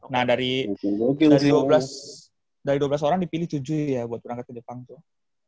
nah dari dua belas orang dipilih tujuh ya buat berangkat ke jepang tuh